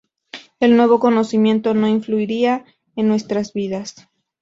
El nuevo conocimiento no influirá en nuestras vidas.